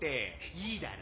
いいだろ。